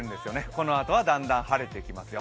このあとはだんだん晴れてきますよ。